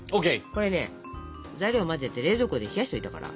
これね材料を混ぜて冷蔵庫で冷やしといたから。